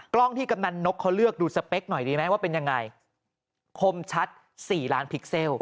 กล้องที่กำนันนกเขาเลือกดูสเปคหน่อยดีไหมว่าเป็นยังไงคมชัด๔ล้านพิกเซล